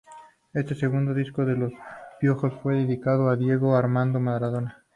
Este segundo disco de Los Piojos fue dedicado a Diego Armando Maradona.